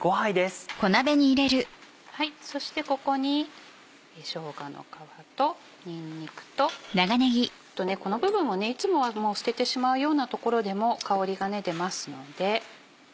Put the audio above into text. そしてここにしょうがの皮とにんにくとあとこの部分をいつもは捨ててしまうような所でも香りが出ますので。